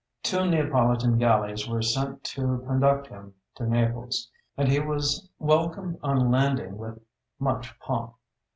Two Neapolitan galleys were sent to conduct him to Naples, and he was welcomed on landing with much pomp.